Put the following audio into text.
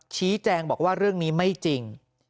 ชี้แจงบอกว่าเรื่องนี้ไม่จริง